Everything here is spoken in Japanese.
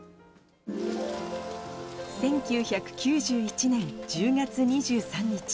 １９９１年１０月２３日